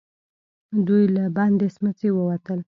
دوئ له بندې سمڅې ووتل.